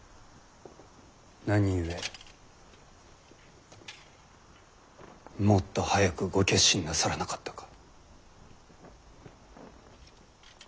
何故もっと早くご決心なさらなかったか。